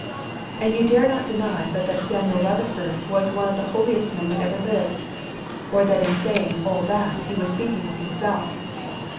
And you dare not deny but that Samuel Rutherford was one of the holiest men that ever lived, or that in saying all that he was speaking of himself.